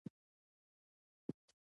• ننګونې ژوند ته مانا ورکوي.